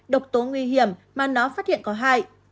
độc tố nguy hiểm mà nó phát hiện có hại